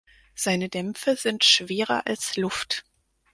Seine Dämpfe sind schwerer als Luft.